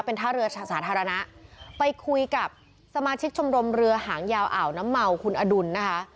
เป็นท่าเรือสาธารณะไปคุยกับสมาชิกชมรมเรือหางยาวอ่าวน้ำเมาคุณอดุลนะคะ